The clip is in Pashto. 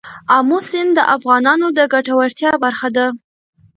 آمو سیند د افغانانو د ګټورتیا برخه ده.